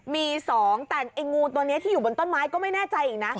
มี๒แต่ไอ้งูตัวนี้ที่อยู่บนต้นไม้ก็ไม่แน่ใจอีกนะ